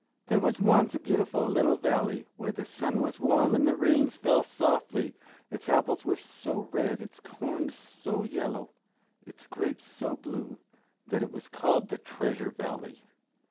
] There was once a beautiful little valley, where the sun was warm, and the rains fell softly; its apples were so red, its corn so yellow, its grapes so blue, that it was called the Treasure Valley.